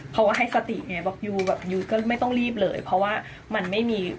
เพราะว่าให้สติไงบอกยูแบบยุ้ยก็ไม่ต้องรีบเลยเพราะว่ามันไม่มี